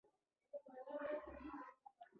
د صنعت لپاره د سرچینو په برابرولو کې کار واخیست.